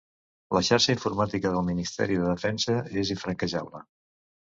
La xarxa informàtica del ministeri de Defensa és infranquejable